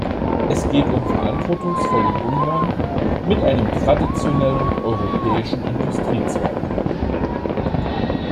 Es geht um verantwortungsvollen Umgang mit einem traditionellen europäischen Industriezweig.